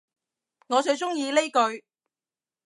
我最鍾意呢句